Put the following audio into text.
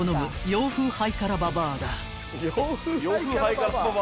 洋風ハイカラババアだ］